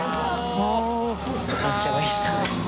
めっちゃおいしそうです